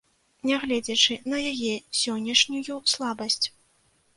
Нягледзячы на яе сённяшнюю слабасць.